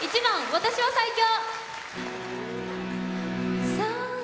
「私は最強」。